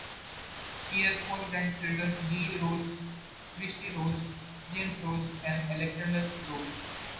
He has four grandchildren, Lee Rose; Kristi Rose; James Rose; and Alexzander Rose.